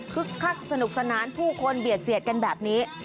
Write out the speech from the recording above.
คักสนุกสนานผู้คนเบียดเสียดกันแบบนี้